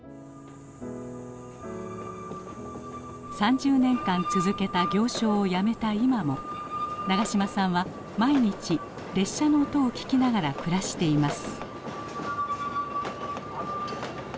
３０年間続けた行商をやめた今も長嶋さんは毎日列車の音を聞きながら暮らしています。